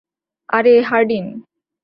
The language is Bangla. আরে, হার্ডিন।